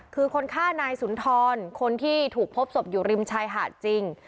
คือคนฆ่านายสุนทรคนที่ถูกพบศพอยู่ริมชายหาดจริง